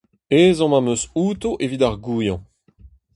Ezhomm am eus outo evit ar goañv !